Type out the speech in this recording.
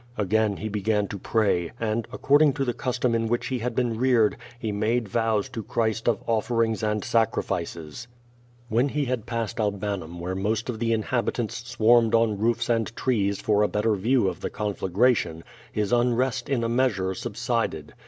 Again he began to pray, and, according to the custom in which he had been reared, he made vows to Christ of olferings and sacrifices. When he had passed Albanum where most of the inhabi tants swarmed on roofs and trees for a better view of the con flagration, his unrest in a measure subsided.